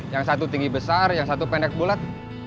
yang satu tinggi besar yang satu pendek bulat